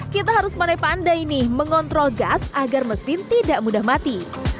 kita harus pandai pandai nih mengontrol gas agar mesin tidak mudah mati